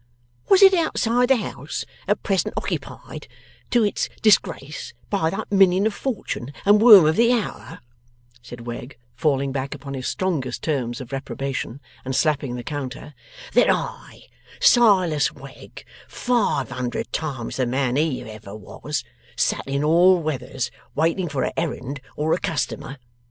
Was it outside the house at present ockypied, to its disgrace, by that minion of fortune and worm of the hour,' said Wegg, falling back upon his strongest terms of reprobation, and slapping the counter, 'that I, Silas Wegg, five hundred times the man he ever was, sat in all weathers, waiting for a errand or a customer?